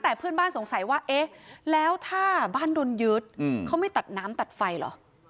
แต่เพื่อนบ้านสงสัยว่าเอ๊ะแล้วถ้าบ้านโดนยึดเขาไม่ตัดน้ำตัดไฟเหรอ